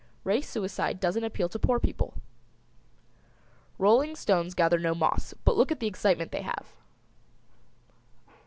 Race suicide doesn't appeal to poor people. Rolling stones gather no moss but look at the excitement they have.